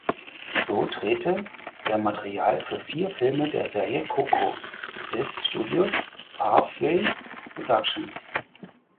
So drehte er Material für vier Filme der Serie "Coco" des Studios Pathway Productions.